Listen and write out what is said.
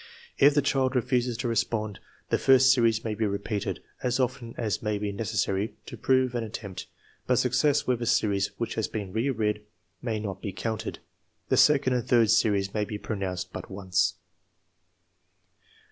If the child re fuses to respond, the first series may be repeated as often as may be necessary to prove an attempt, but success with a series which has been re read may not be counted. The second and third series may be pronounced but once.